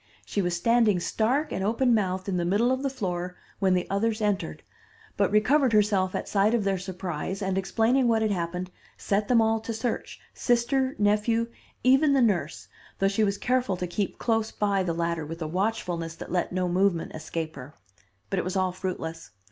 She was standing stark and open mouthed in the middle of the floor, when the others entered, but recovered herself at sight of their surprise, and, explaining what had happened, set them all to search, sister, nephew, even the nurse, though she was careful to keep close by the latter with a watchfulness that let no movement escape her. But it was all fruitless.